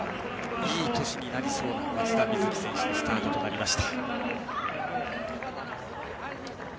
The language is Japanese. いい年になりそうな松田瑞生選手のスタートとなりました。